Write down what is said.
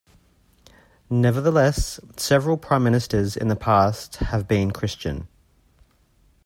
Nevertheless, several Prime Ministers in the past have been Christian.